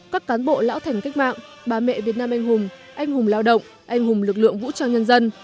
các cán bộ lão thành cách mạng bà mẹ việt nam anh hùng anh hùng lao động anh hùng lực lượng vũ trang nhân dân